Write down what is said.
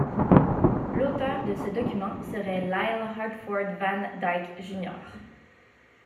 L'auteur de ce document serait Lyle Hartford Van Dyke, Jr.